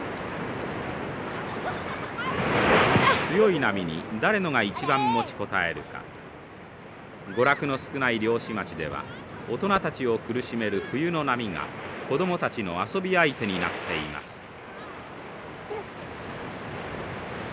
強い波に誰のが一番持ちこたえるか娯楽の少ない漁師町では大人たちを苦しめる冬の波が子どもたちの遊び相手になっています。